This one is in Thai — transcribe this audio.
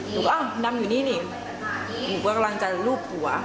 หนูก็อ้าวดำอยู่นี่นี่หนูก็กำลังจะลูบหัว